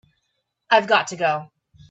I've got to go.